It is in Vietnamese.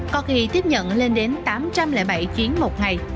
có khi tiếp nhận lên đến tám trăm linh bảy chuyến một ngày